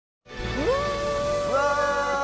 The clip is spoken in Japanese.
うわ！